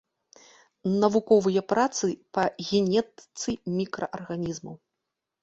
Навуковыя працы па генетыцы мікраарганізмаў.